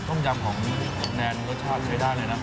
ต้มยำของแนนรสชาติใช้ได้เลยนะ